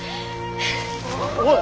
おい！